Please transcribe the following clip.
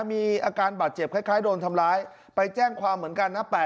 มีอาการบาดเจ็บคล้ายโดนทำร้ายไปแจ้งความเหมือนกันนะ